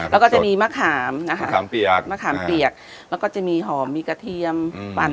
แล้วก็จะมีมะขามนะคะขามเปียกมะขามเปียกแล้วก็จะมีหอมมีกระเทียมปั่น